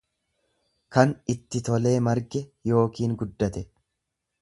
kan itti tolee marge yookiin guddate.